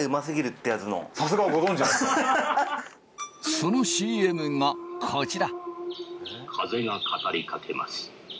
そのＣＭがこちら。